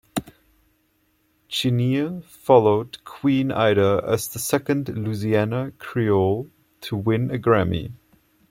Chenier followed Queen Ida as the second Louisiana Creole to win a Grammy.